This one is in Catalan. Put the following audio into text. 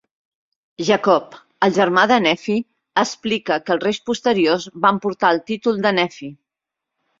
Jacob, el germà de Nephi, explica que els reis posteriors van portar el títol de Nephi.